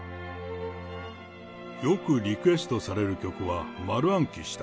よくリクエストされる曲は、丸暗記した。